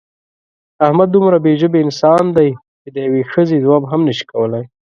احمد دومره بې ژبې انسان دی چې د یوې ښځې ځواب هم نشي کولی.